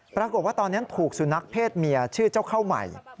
ปรากฏว่าตอนนั้นถูกสุนัขเพศเมียชื่อเจ้าเข้าใหม่